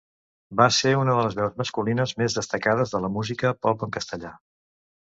Va ser una de les veus masculines més destacades de la música pop en castellà.